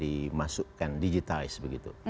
dimasukkan digitize begitu